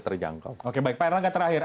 terjangkau oke baik pak erlangga terakhir